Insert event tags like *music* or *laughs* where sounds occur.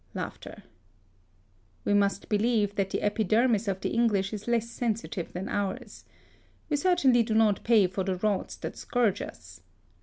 *laughs* We must believe that the epidermis of the English is less sensitive than ours. We certainly do not pay for the rods that scourge us.